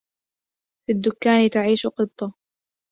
في الدكان تعيش قطة.